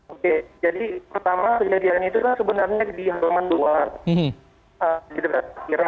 oke jadi pertama kejadian itu sebenarnya di halaman dua di depan kira